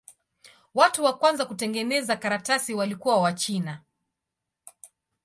Watu wa kwanza kutengeneza karatasi walikuwa Wachina.